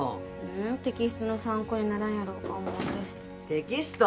テキストの参考にならんやろうか思うてテキスト？